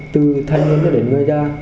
từ thanh niên đến người gia